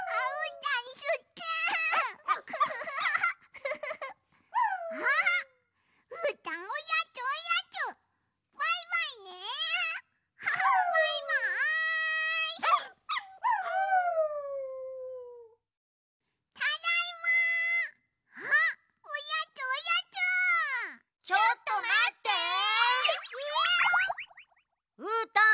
うーたん